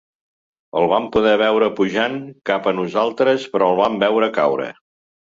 El vam poder veure pujant cap a nosaltres, però el vam veure caure.